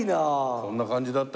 こんな感じだった。